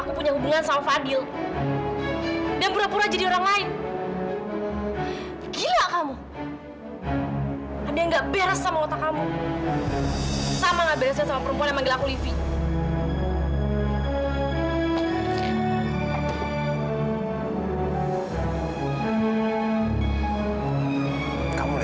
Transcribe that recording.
lu tuh mau nikah sama camilla ngapain lu bersama sama sama si lain